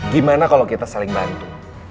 gimana kalau kita saling bantu